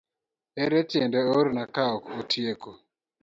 Ere tiende oorna kaok otieko.